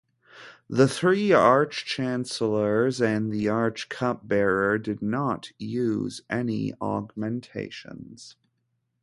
The three Arch-Chancellors and the Arch-Cupbearer did not use any augmentations.